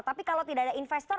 tapi kalau tidak ada investor